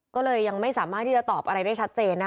ก็เลยยังไม่สามารถที่จะตอบอะไรได้ชัดเจนนะ